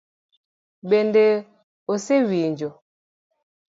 Bende osewinjo?